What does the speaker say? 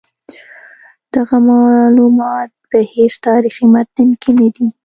دغه معلومات په هیڅ تاریخي متن کې نه دي.